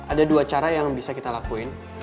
ada dua cara yang bisa kita lakuin